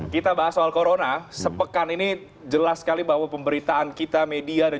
kita bahas soal corona sepekan ini jelas sekali bahwa pemberitaan kita media